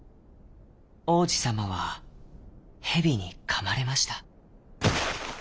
王子さまはヘビにかまれました。